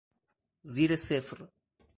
زیر صفر